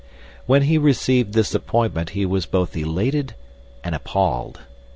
When he received this appointment he was both elated and appalled.